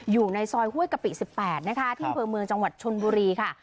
อยู่ในซอยห้วยกะปิ๑๘นะคะที่อำเภอเมืองจังหวัดชนบุรีค่ะ